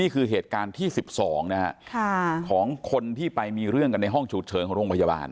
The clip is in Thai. เหตุการณ์ที่๑๒นะฮะของคนที่ไปมีเรื่องกันในห้องฉุกเฉินของโรงพยาบาล